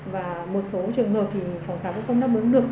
và một số trường hợp thì phó khám cũng không đáp ứng được